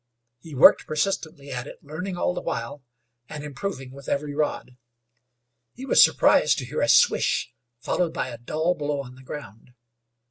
He worked persistently at it, learning all the while, and improving with every rod. He was surprised to hear a swish, followed by a dull blow on the ground.